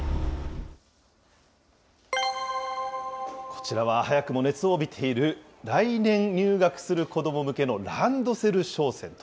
こちらは早くも熱を帯びている、来年入学する子ども向けのランドセル商戦。